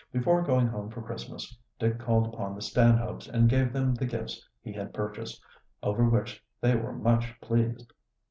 Before going home for Christmas Dick called upon the Stanhopes and gave them the gifts he had purchased, over which they were much pleased.